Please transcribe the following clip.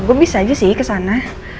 gue bisa aja sih kesana